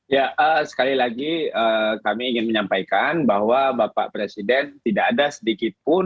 ya sekali lagi kami ingin menyampaikan bahwa bapak presiden tidak ada sedikitpun